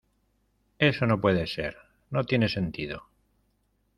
eso no puede ser, no tiene sentido.